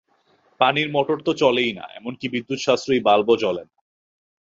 পানির মোটর তো চলেই না, এমনকি বিদ্যুৎ সাশ্রয়ী বাল্বও জ্বলে না।